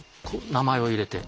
名前を入れて。